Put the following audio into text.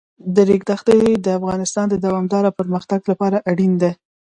د ریګ دښتې د افغانستان د دوامداره پرمختګ لپاره اړین دي.